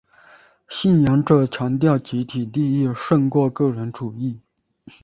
信仰者强调集体利益胜过个人主义。